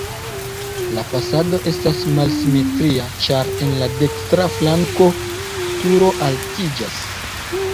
La fasado estas malsimetria, ĉar en la dekstra flanko turo altiĝas.